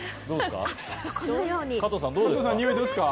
加藤さん、どうですか？